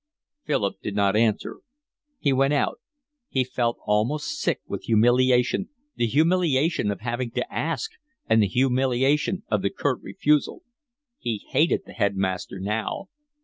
Philip did not answer. He went out. He felt almost sick with humiliation, the humiliation of having to ask and the humiliation of the curt refusal. He hated the headmaster now.